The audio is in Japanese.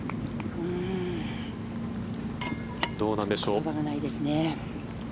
言葉がないですね。